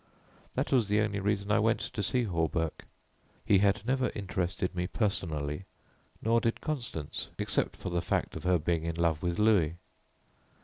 That was the only reason I went to see Hawberk. He had never interested me personally, nor did Constance, except for the fact of her being in love with Louis.